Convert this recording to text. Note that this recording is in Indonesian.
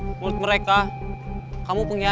menurut mereka kamu pengkhianat